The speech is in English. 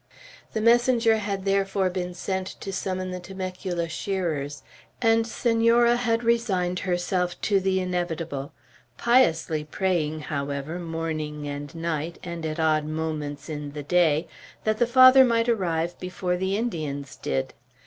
The messenger had therefore been sent to summon the Temecula shearers, and Senora had resigned herself to the inevitable; piously praying, however, morning and night, and at odd moments in the day, that the Father might arrive before the Indians did.